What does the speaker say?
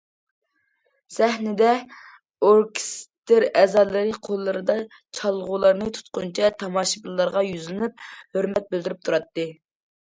سەھنىدە ئوركېستىر ئەزالىرى قوللىرىدا چالغۇلارنى تۇتقىنىچە تاماشىبىنلارغا يۈزلىنىپ، ھۆرمەت بىلدۈرۈپ تۇراتتى.